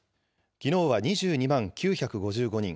きのうは２２万９５５人。